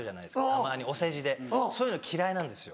たまにお世辞でそういうの嫌いなんですよ。